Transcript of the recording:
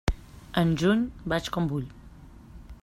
En juny vaig com vull.